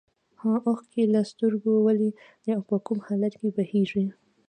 اوښکې له سترګو ولې او په کوم حالت کې بهیږي.